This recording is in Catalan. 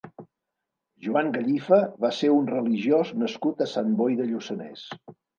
Joan Gallifa va ser un religiós nascut a Sant Boi de Lluçanès.